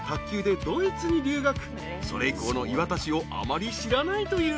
［それ以降の磐田市をあまり知らないという］